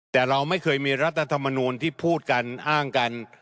แต่เราไม่เคยมีรัฐธรรมนูลที่พูดกันอ้างกัน